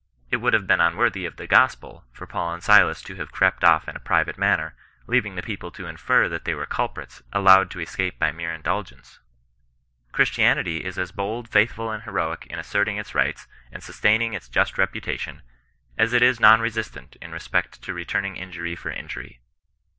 It would have been unworthy of the gospel, for Paul and Silas to have crept off in a private manner, leaving the people to infer that they were culprits, allowed to esci^ by mere indulgence. Christianity is as bold, faithful, and heroic, in asserting its rights, and sustaining its just reputation, as it is non resistant in respect to re turning injury for injury.